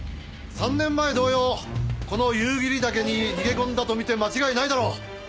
３年前同様この夕霧岳に逃げ込んだと見て間違いないだろう。